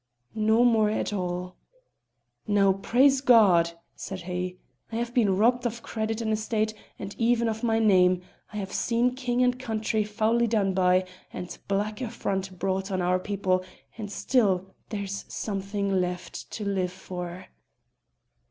"No more at all." "Now praise God!" said he. "I have been robbed of Credit and estate, and even of my name; I have seen king and country foully done by, and black affront brought on our people, and still there's something left to live for."